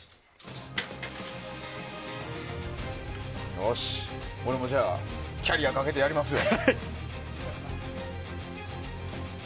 よし、俺もじゃあキャリアかけてやりますよ。